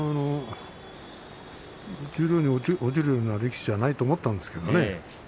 十両に落ちるような力士じゃないと思ったんですけどね。